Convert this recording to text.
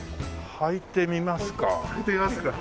履いてみますか？